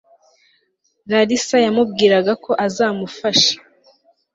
larisa yamubwiraga ko azamufasha